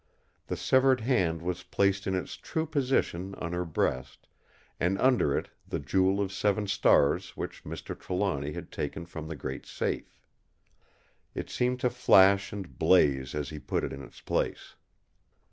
The severed hand was placed in its true position on her breast, and under it the Jewel of Seven Stars which Mr. Trelawny had taken from the great safe. It seemed to flash and blaze as he put it in its place.